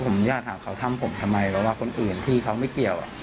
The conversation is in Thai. ผมญาติหาเขาทำผมทำไมเพราะว่าคนอื่นที่เขาไม่เกี่ยว